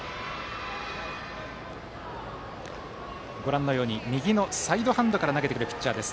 中屋敷は右サイドハンドから投げてくるピッチャーです。